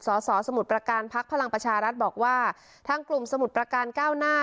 สอสอสมุทรประการพักพลังประชารัฐบอกว่าทางกลุ่มสมุทรประการก้าวหน้า